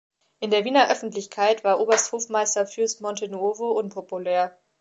In der Wiener Öffentlichkeit war Obersthofmeister Fürst Montenuovo unpopulär.